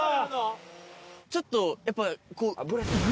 ちょっとやっぱ。